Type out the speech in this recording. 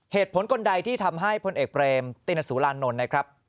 เหตุผลคนใดที่ทำให้พลเอกเบรมตินสุรานนท์นะครับ